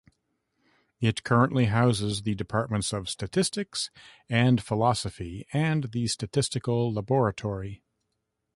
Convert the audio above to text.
It currently houses the departments of Statistics and Philosophy and the Statistical Laboratory.